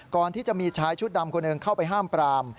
ก่อนที่จะมีชายชุดดำคนหนึ่งเข้าไปห้ามปราม